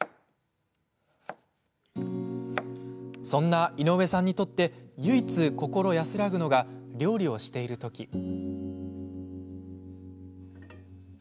そんな井上さんにとって唯一、心安らぐのが料理をしているとき。